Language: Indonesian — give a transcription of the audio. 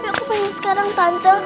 tapi aku mau sekarang tante